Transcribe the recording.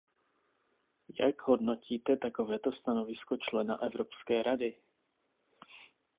Jak hodnotíte takovéto stanovisko člena Evropské rady?